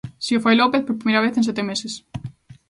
Si o fai López, por primeira vez en sete meses.